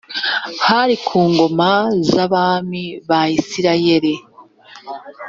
hari ku ngoma z’abami b’abisirayeli